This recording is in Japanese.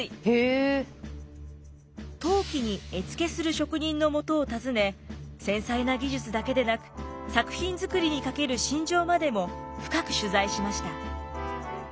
陶器に絵付けする職人のもとを訪ね繊細な技術だけでなく作品作りにかける心情までも深く取材しました。